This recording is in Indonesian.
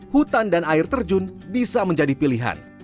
hutan dan air terjun bisa menjadi pilihan